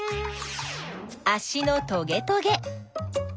あしのトゲトゲ。